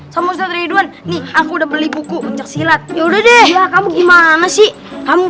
sama ustadz ridwan nih aku udah beli buku pencet silat ya udah deh gimana sih kamu